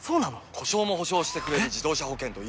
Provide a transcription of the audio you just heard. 故障も補償してくれる自動車保険といえば？